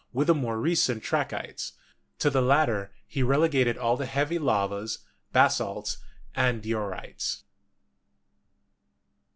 with the more recent trachytes; to the latter he relegated all the heavy lavas, basalts and diorites.